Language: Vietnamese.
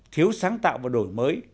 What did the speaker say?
thiếu sáng tạo và đổi mới